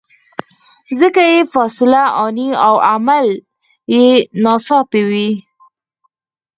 ځکه یې فیصله آني او عمل یې ناڅاپي وي.